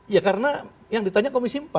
ya karena yang ditanya komisi empat